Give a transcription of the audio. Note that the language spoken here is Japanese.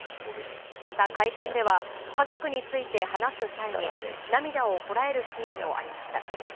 また会見では、家族について話す際に、涙をこらえるシーンもありました。